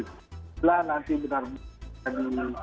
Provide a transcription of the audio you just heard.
setelah nanti benar benar